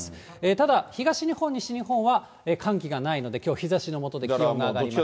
ただ東日本、西日本は寒気がないので、きょう日ざしの下で気温が上がりましたね。